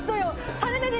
垂れ目で。